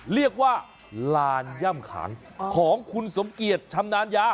ลานย่ำขางของคุณสมเกียจชำนาญยา